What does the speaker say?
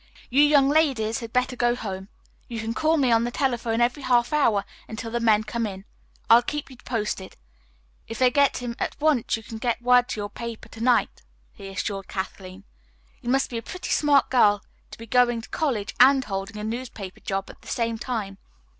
You young ladies had better go home. You can call me on the telephone every half hour until the men come in. I'll keep you posted. If they get him at once, you can get word to your paper to night," he assured Kathleen. "You must be a pretty smart girl to be going to college and holding a newspaper job at the same time."